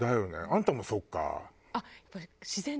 あんたもそうか。